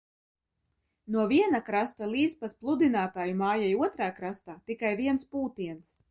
No viena krasta līdz pat Pludinātāju mājai otrā krastā tikai viens pūtiens.